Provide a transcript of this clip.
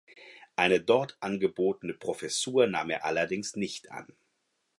Eine dort angebotene Professur nahm er allerdings nicht an.